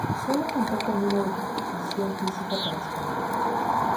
Solo contó con edición física para España.